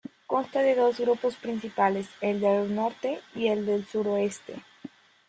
Consta de dos grupos principales: el del norte y el del suroeste.